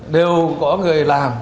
đều có người làm